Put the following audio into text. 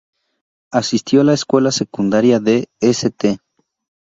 Asistió a la Escuela Secundaria de St.